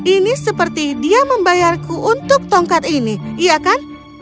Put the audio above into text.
ini seperti dia membayarku untuk tongkat ini iya kan